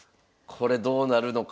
これどうなるのか。